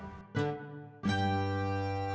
jadi gak ketemu